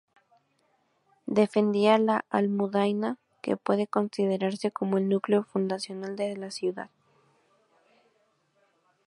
Defendía la "almudaina", que puede considerarse como el núcleo fundacional de la ciudad.